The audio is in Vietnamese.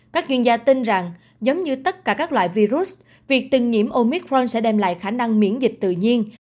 các chuyên gia tin rằng giống như tất cả các loại virus việc từng nhiễm omicron sẽ đem lại khả năng miễn dịch tự nhiên